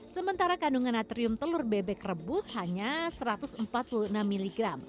sementara kandungan atrium telur bebek rebus hanya satu ratus empat puluh enam mg